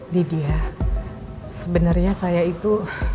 didia sebenarnya saya itu